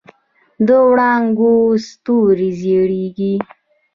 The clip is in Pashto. د وړانګو ستوري زیږي